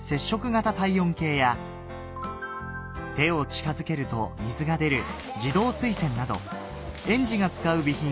型体温計や手を近づけると水が出る自動水栓など園児が使う備品